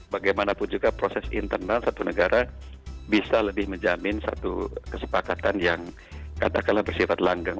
bagaimanapun juga proses internal satu negara bisa lebih menjamin satu kesepakatan yang katakanlah bersifat langgang